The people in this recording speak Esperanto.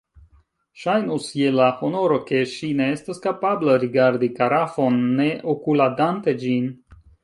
Ŝajnus, je la honoro, ke ŝi ne estas kapabla rigardi karafon ne okuladante ĝin.